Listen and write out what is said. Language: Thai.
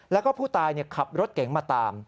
แล้วก็ผู้ตายขับรถเก๋งมาตาม